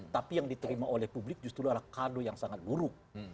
tapi yang diterima oleh publik justru adalah kado yang sangat buruk